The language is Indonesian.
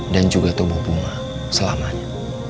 dan juga tubuh bunga selamanya